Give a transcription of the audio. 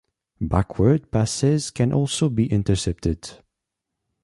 Backward passes can also be intercepted.